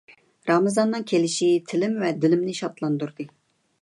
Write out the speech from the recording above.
رامىزاننىڭ كېلىشى تىلىم ۋە دىلىمنى شادلاندۇردى.